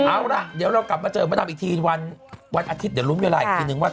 เอาล่ะเดี๋ยวเรากลับมาเจอมดดำอีกทีวันอาทิตย์เดี๋ยวลุ้นเวลาอีกทีนึงว่า